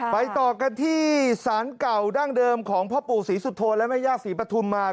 ไปต่อกันที่สารเก่าดั้งเดิมของพ่อปู่ศรีสุโธนและแม่ย่าศรีปฐุมมา